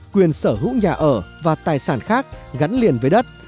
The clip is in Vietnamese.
quyền sở hữu nhà ở và tài sản khác gắn liền với đất